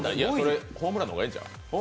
ホームランの方がええんちゃう？